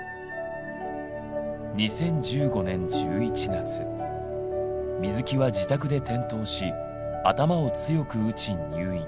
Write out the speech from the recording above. ２０１５年１１月水木は自宅で転倒し頭を強く打ち入院。